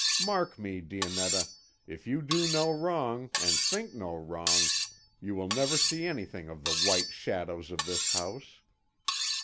Mark me, Dionetta, if you do no wrong, and think no wrong, you will never see anything of the White Shadows of this house."